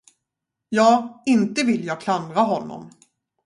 Ja, inte vill jag klandra honom.